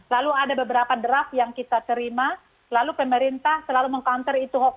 lalu ada beberapa draft yang kita terima lalu pemerintah selalu meng counter itu hoax